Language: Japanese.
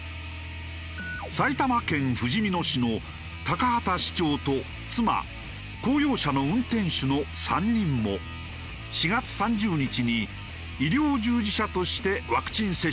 埼玉県ふじみ野市の高畑市長と妻公用車の運転手の３人も４月３０日に医療従事者としてワクチン接種を受けた。